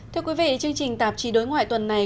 thưa quý vị chương trình tạp chí đối ngoại tuần này